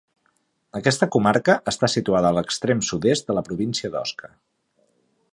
Aquesta comarca està situada a l'extrem sud-est de la província d'Osca.